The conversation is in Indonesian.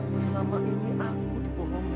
selama ini aku dibohongi